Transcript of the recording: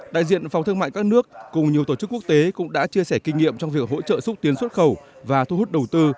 đại diện phòng thương mại các nước cùng nhiều tổ chức quốc tế cũng đã chia sẻ kinh nghiệm trong việc hỗ trợ xúc tiến xuất khẩu và thu hút đầu tư